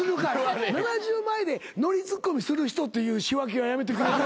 ７０前でノリツッコミする人っていう仕分けはやめてくれる？